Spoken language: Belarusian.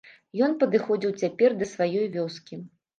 Ён падыходзіў цяпер да сваёй вёскі.